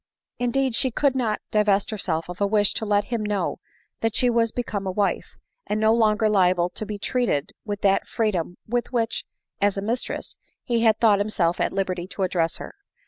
Indeed she could not divest herself of a wish to let him know that she was become a wife, and no longer liable to be treated with that freedom with which, as a mistress, he had thought himself at liberty to address her.